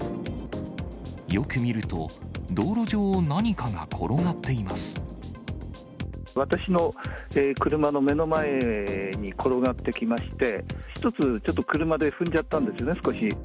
よく見ると、私の車の目の前に転がってきまして、１つちょっと車で踏んじゃったんですね、少し。